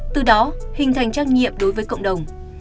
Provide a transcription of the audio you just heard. từ đó hình thành trách nhiệm đối với cộng đồng